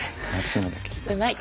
うまい。